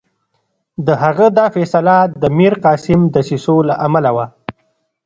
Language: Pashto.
د هغه دا فیصله د میرقاسم دسیسو له امله وه.